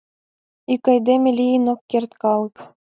Ик айдеме лийын ок керт калык